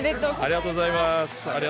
ありがとうございます。